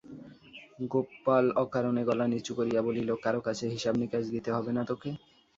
গোপাল অকারণে গলা নিচু করিয়া বলিল, কারো কাছে হিসাবনিকাশ দিতে হবে না তোকে?